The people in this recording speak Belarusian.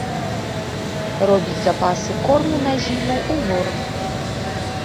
Робіць запасы корму на зіму ў норах.